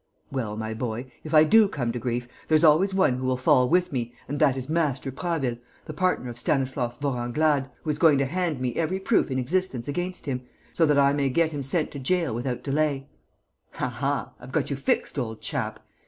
Well, my boy, if I do come to grief, there's always one who will fall with me and that is Master Prasville, the partner of Stanislas Vorenglade, who is going to hand me every proof in existence against him, so that I may get him sent to gaol without delay. Aha, I've got you fixed, old chap!